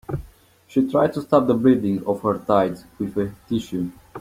She tried to stop the bleeding of her thighs with a tissue.